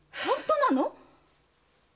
本当なの？